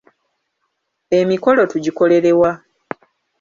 Emikolo tugikolere wa?